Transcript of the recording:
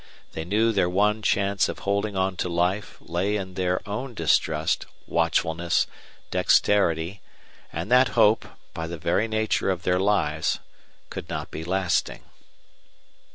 They knew their one chance of holding on to life lay in their own distrust, watchfulness, dexterity, and that hope, by the very nature of their lives, could not be lasting.